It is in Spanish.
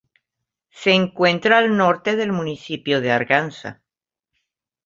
Se encuentra al norte del municipio de Arganza.